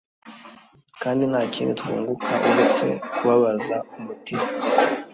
kandi nta kindi twunguka uretse kubabaza umutima